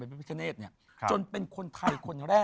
พระพิทธิ์ฆาเนธจนเป็นคนไทยคน